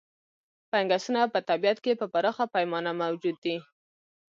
فنګسونه په طبیعت کې په پراخه پیمانه موجود دي.